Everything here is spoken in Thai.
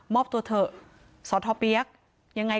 พ่อของสทเปี๊ยกบอกว่า